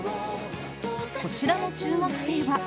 こちらの中学生は。